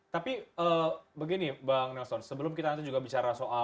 tapi begini bang nelson sebelum kita nanti juga bicara soal korban gitu ya